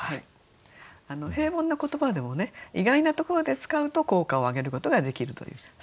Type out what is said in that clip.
平凡な言葉でも意外なところで使うと効果をあげることができるというそういう例だと思います。